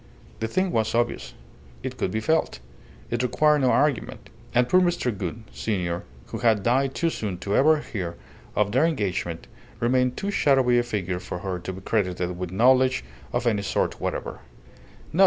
The thing was obvious. It could be felt. It required no argument. And poor Mr. Gould, senior, who had died too soon to ever hear of their engagement, remained too shadowy a figure for her to be credited with knowledge of any sort whatever.